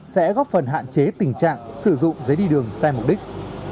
sẽ góp phần hạn chế tình trạng sử dụng giấy đi đường sai mục đích